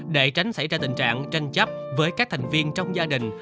để tránh xảy ra tình trạng tranh chấp với các thành viên trong gia đình